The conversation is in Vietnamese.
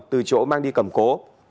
từ chỗ mang đi cầm cố